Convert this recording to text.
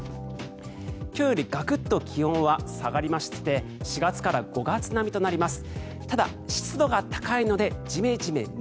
今日よりガクッと気温は下がりまして４月から５月並みとなります。